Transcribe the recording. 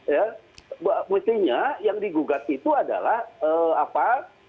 ya mestinya yang digugat itu adalah apa